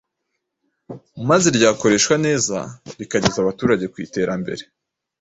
maze ryakoreshwa neza rikageza abaturage ku iterambere.